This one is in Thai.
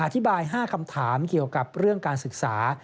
๕คำถามเกี่ยวกับเรื่องการศึกษา